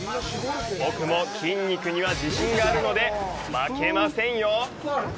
僕も筋肉には自信があるので、負けませんよ！